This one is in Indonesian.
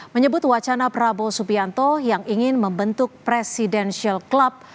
menyebut wacana prabowo subianto yang ingin membentuk presidential club